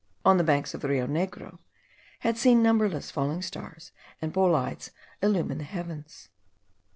on the banks of the Rio Negro; had seen numberless falling stars and bolides illumine the heavens.